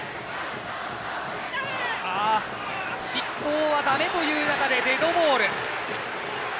失投はだめという中でデッドボール。